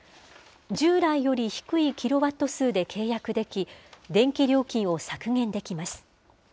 従来より低いキロワット数で契約でき、電気料金を削減できます。